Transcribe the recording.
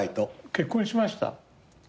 結婚しました。